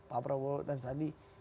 pak prabowo dan sadi